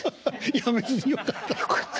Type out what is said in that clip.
辞めずによかった。